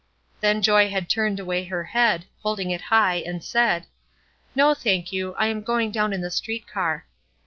Then Joy had turned away her head, holding it high, and said: "No, thank you; I am going down in the street car."